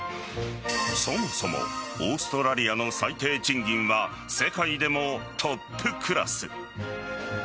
そもそもオーストラリアの最低賃金は世界でもトップクラス。